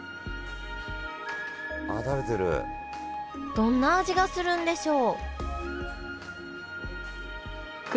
どんな味がするんでしょう？